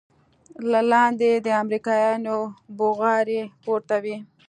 له لاندې د امريکايانو بوغارې پورته وې.